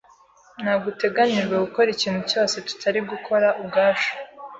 Ntabwo uteganijwe gukora ikintu cyose tutari gukora ubwacu.